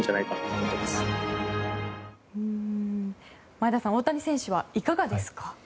前田さん大谷選手はいかがですか？